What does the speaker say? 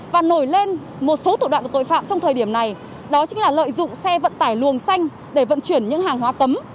và nổi lên một số thủ đoạn của tội phạm trong thời điểm này đó chính là lợi dụng xe vận tải luồng xanh để vận chuyển những hàng hóa cấm